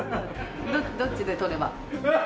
どっちで取れば？